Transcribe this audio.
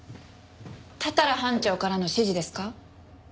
多々良班長からの指示ですか？